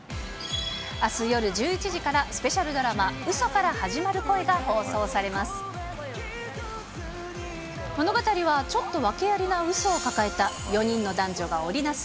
あす夜１１時からスペシャルドラマ、嘘から始まる恋が放送されます。